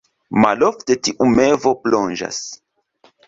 Malofte tiu mevo plonĝas.